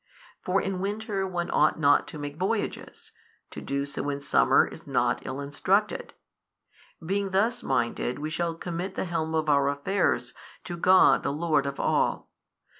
For in winter one ought not to make voyages, to do so in summer is not ill instructed. Being thus minded we shall commit the helm of our affairs to God the Lord of all.